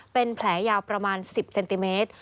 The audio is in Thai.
เป็นแผลยาวประมาณ๑๐เซนติเมตร